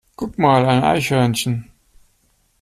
Guck mal, ein Eichhörnchen!